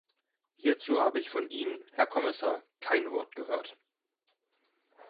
Hierzu habe ich von Ihnen, Herr Kommissar, kein Wort gehört.